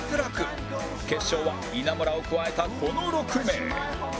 決勝は稲村を加えたこの６名